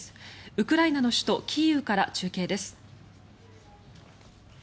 ウクライナの首都キーウから中継です。